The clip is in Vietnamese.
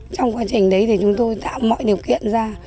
trong quá trình đấy thì chúng tôi tạo mọi điều kiện ra